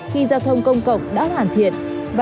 khi giao thông công cộng đã hoàn thiện